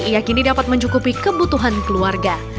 ia kini dapat mencukupi kebutuhan keluarga